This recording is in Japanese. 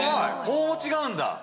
こうも違うんだ。